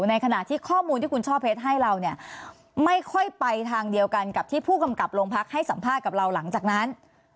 ในขณะที่ข้อมูลที่คุณช่อเพชรให้เราเนี่ยไม่ค่อยไปทางเดียวกันกับที่ผู้กำกับโรงพักให้สัมภาษณ์กับเราหลังจากนั้น